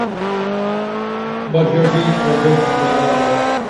مغربی ارجنٹینا کا وقت